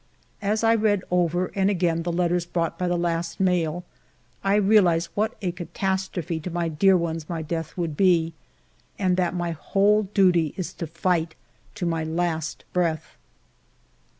As I read over and again the letters brought by the last mail, I realize what a catastrophe to my dear ones my death would be, and that my whole duty is to fight to my last breath.